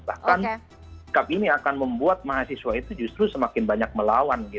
bahkan sikap ini akan membuat mahasiswa itu justru semakin banyak melawan